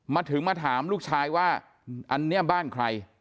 มาถึงมาถามลูกชายว่าอันนี้บ้านใคร